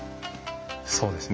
そうですね。